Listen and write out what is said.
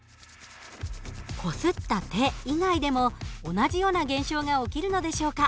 こすった手以外でも同じような現象が起きるのでしょうか？